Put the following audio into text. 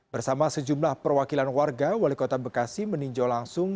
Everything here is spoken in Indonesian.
bersama sejumlah perwakilan warga wali kota bekasi meninjau langsung